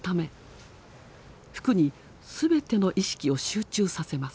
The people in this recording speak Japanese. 服に全ての意識を集中させます。